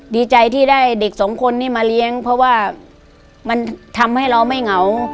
ดีใจที่ได้เด็กสองคนนี้มาเลี้ยงเพราะว่ามันทำให้เราไม่เหงา